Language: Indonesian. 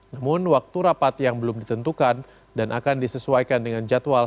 namun waktu rapat yang belum ditentukan dan akan disesuaikan dengan jadwal